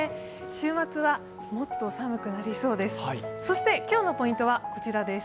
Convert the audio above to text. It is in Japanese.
週末はもっと寒くなりそうです。